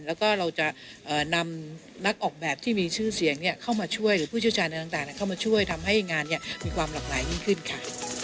แล้วก็เราจะนำนักออกแบบที่มีชื่อเสียงเข้ามาช่วยหรือผู้เชี่ยวชาญอะไรต่างเข้ามาช่วยทำให้งานมีความหลากหลายยิ่งขึ้นค่ะ